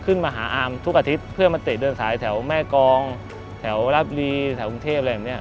ขึ้นมาหาอาร์มทุกอาทิตย์เพื่อมาเตะเดินสายแถวแม่กองแถวรับรีแถวกรุงเทพอะไรแบบนี้